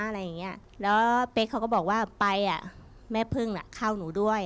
แล้วเป๊กเขาก็บอกว่าไปอะแม่พึ่งเข้าหนูด้วย